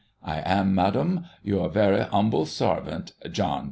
I am, Madum, your vera humbel sarvint, « John